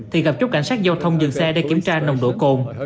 thì gặp chốt cảnh sát giao thông dừng xe để kiểm tra nồng độ cồn